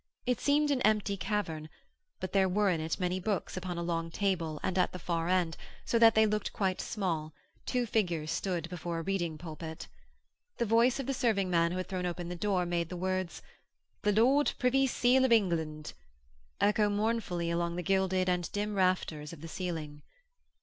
It seemed an empty cavern, but there were in it many books upon a long table and at the far end, so that they looked quite small, two figures stood before a reading pulpit. The voice of the serving man who had thrown open the door made the words 'The Lord Privy Seal of England' echo mournfully along the gilded and dim rafters of the ceiling.